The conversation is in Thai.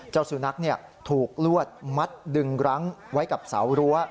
เจ้าสุนัขถูกลวดมัดดึงรั้งไว้กับเสารั้ว